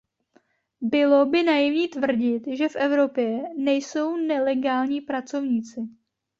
Bylo by naivní tvrdit, že v Evropě nejsou nelegální pracovníci.